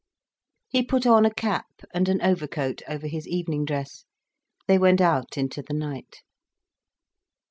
He put on a cap, and an overcoat over his evening dress. They went out into the night.